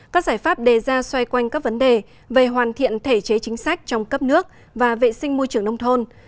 các giải pháp đề ra xoay quanh các vấn đề về hoàn thiện thể chế chính sách trong cấp nước và vệ sinh môi trường nông thôn